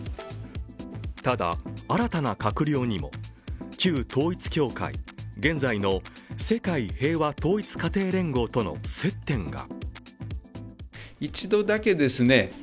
ただ、新たな閣僚にも旧統一教会、現在の世界平和統一家庭連合との接点が。